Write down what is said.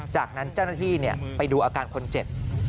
จากนั้นเจ้าหน้าที่ไปดูอาการคนเจ็บ